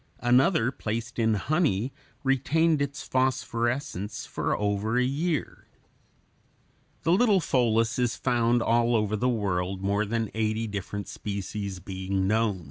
Another placed in honey retained its phosphorescence for over a year. The little pholas is found all over the world, more than eighty different species being known.